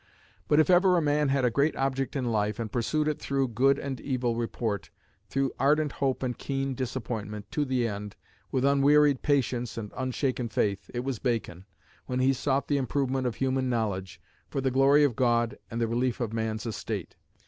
But if ever a man had a great object in life, and pursued it through good and evil report, through ardent hope and keen disappointment, to the end, with unwearied patience and unshaken faith, it was Bacon, when he sought the improvement of human knowledge "for the glory of God and the relief of man's estate."